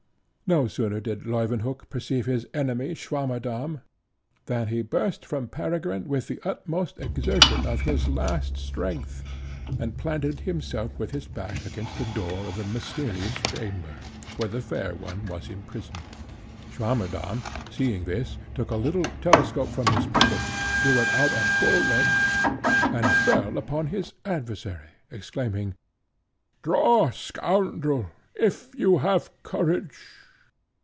No sooner did Leuwenhock perceive his enemy Swammerdamm, than he burst from Peregrine with the utmost exertion of his last strength, and planted himself with his back against the door of the mysterious chamber, where the fair one was imprisoned. Swammerdamm, seeing this, took a little telescope from his pocket, drew it out at full length, and fell upon his adversary, exclaiming, "Draw, scoundrel, if you have courage!"